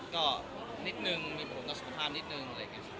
ก็นิดนึงมีผลกระสุนภาพนิดนึง